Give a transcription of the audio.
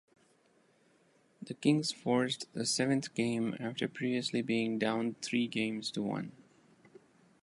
The Kings forced the seventh game after previously being down three games to one.